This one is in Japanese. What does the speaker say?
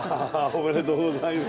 おめでとうございます。